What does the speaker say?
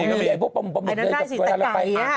ไอ้น้ำหน้าสีสิแต่กล่างเนี่ยฮะอย่างโรงโลก